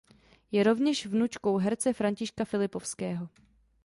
Je rovněž vnučkou herce Františka Filipovského.